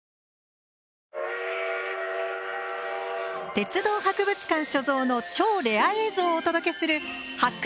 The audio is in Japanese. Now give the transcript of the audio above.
鉄道博物館所蔵の超レア映像をお届けする「発掘！